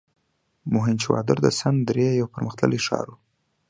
موهنچودارو د سند درې یو پرمختللی ښار و.